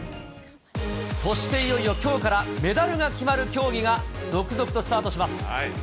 そしていよいよきょうから、メダルが決まる競技が続々とスタートします。